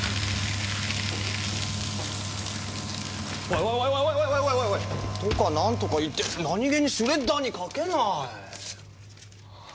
おいおいおい！とか何とか言って何気にシュレッダーにかけない！